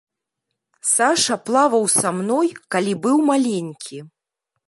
Саша плаваў са мной калі быў маленькі.